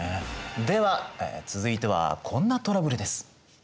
では続いてはこんなトラブルです。